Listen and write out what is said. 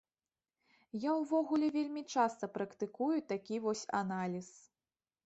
Я ўвогуле вельмі часта практыкую такі вось аналіз.